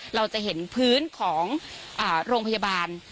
เราจะเห็นพื้นของโรงพยาบาล